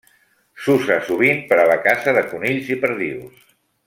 S'usa sovint per a la caça de conills i perdius.